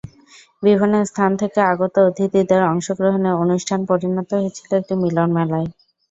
বিভিন্ন স্থান থেকে আগত অতিথিদের অংশগ্রহণে অনুষ্ঠান পরিণত হয়েছিল একটি মিলনমেলায়।